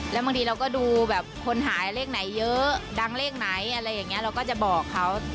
แล้วบางทีเราก็ดูแบบคนหายเลขไหนเยอะดังเลขไหนอะไรอย่างนี้เราก็จะบอกเขา